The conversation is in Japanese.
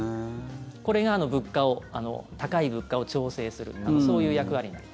これが物価を高い物価を調整するそういう役割なんです。